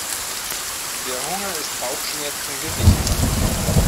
Der Hunger ist Bauchschmerzen gewichen.